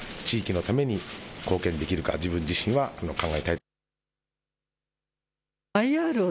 地域のために貢献できるか自分自身は考えたいと思います。